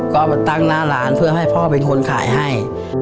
ก็มาตั้งหน้าร้านเพื่อให้พ่อเป็นคนขายให้